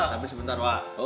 tapi sebentar wak